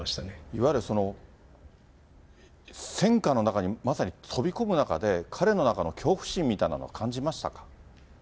いわゆる戦火の中に、まさに飛び込む中で、彼の中の恐怖心みたいなのは感じましたか？